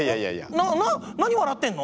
な何笑ってんの？